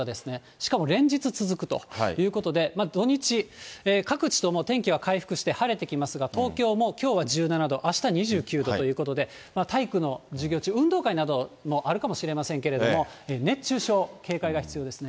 しかも連日続くということで、土日、各地とも天気は回復して晴れてきますが、東京はきょうは１７度、あした２９度ということで、体育の授業中、運動会などもあるかもしれませんけれども、熱中症、警戒が必要ですね。